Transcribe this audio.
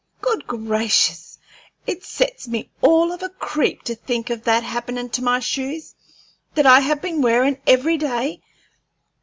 Good gracious! It sets me all of a creep to think of that happenin' to my shoes, that I have been wearin' every day!